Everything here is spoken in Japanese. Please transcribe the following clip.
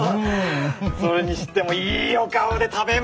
それにしてもいいお顔で食べますね。